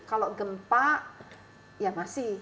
kalau gempa ya masih